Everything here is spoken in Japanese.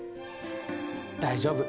大丈夫。